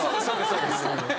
そうですそうです。